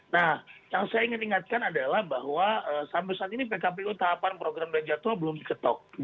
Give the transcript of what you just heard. nah yang saya ingin ingatkan adalah bahwa sampai saat ini pkpu tahapan program dan jadwal belum diketok